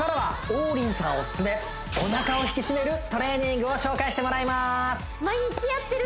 オススメお腹を引き締めるトレーニングを紹介してもらいます